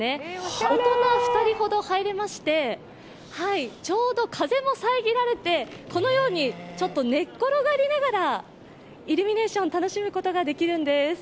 大人２人ほど入れまして、ちょうど風も遮られて、このように寝っ転がりながらイルミネーションを楽しむことができるんです。